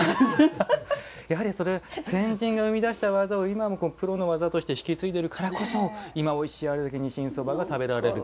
やはりそれ先人が生み出した技を今もプロの技として引き継いでいるからこそ今、おいしいにしんそばが食べられると。